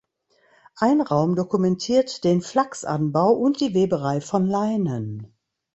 Ein Raum dokumentiert den Flachsanbau und die Weberei von Leinen.